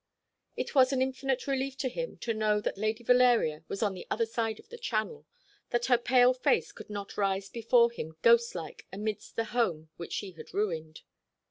It was an infinite relief to him to know that Lady Valeria was on the other side of the Channel, that her pale face could not rise before him ghostlike amidst the home which she had ruined.